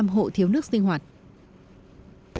hộ thiếu nước sinh hoạt